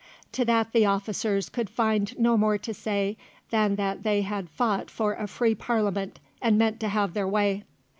To that the officers could find no more to say than that they had fought for a free Parliament and meant to have their way.